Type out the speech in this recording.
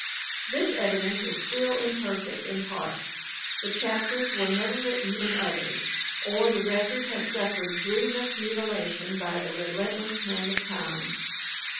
This evidence is still imperfect in parts, the chapters were never written in others, or the record has suffered grievous mutilation by the relentless hand of time.